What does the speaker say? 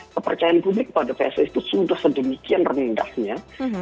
kepercayaan publik kepada pssi itu sudah sedemikian rendahnya